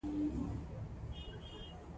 دا یو ممکن کار دی.